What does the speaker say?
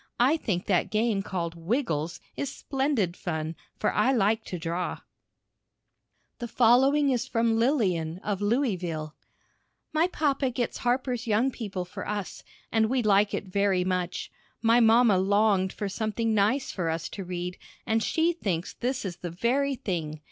I think that game called "Wiggles" is splendid fun, for I like to draw. The following is from Lilian, of Louisville: My papa gets Harper's Young People for us, and we like it very much. My mamma longed for something nice for us to read, and she thinks this is the very thing.